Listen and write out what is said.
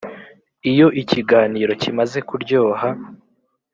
iyo ikiganiro kimaze kuryoha,